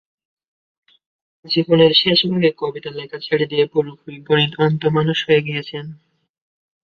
জীবনের শেষভাগে কবিতা লেখা ছেড়ে দিয়ে পুরোপুরি গণিত-অন্ত মানুষ হয়ে গিয়েছেন।